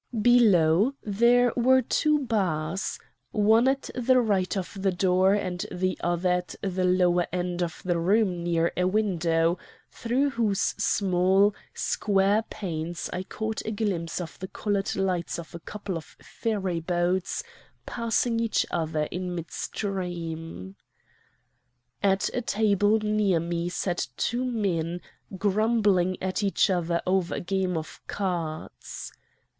"Below were the two bars, one at the right of the door, and the other at the lower end of the room near a window, through whose small, square panes I caught a glimpse of the colored lights of a couple of ferry boats, passing each other in midstream. "At a table near me sat two men, grumbling at each other over a game of cards.